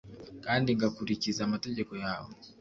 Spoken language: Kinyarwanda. kandi ngakurikiza amategeko yawe